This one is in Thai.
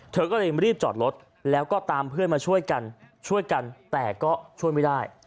เธอก็เลยรีบจอดรถแล้วก็ตามเพื่อนมาช่วยกันช่วยกันแต่ก็ช่วยไม่ได้